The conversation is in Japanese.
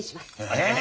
えっ！？